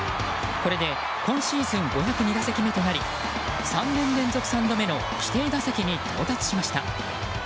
これで今シーズン５０２打席目となり３年連続３度目の規定打席に到達しました。